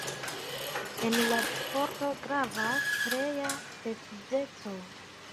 En la sporto gravas pleja precizeco.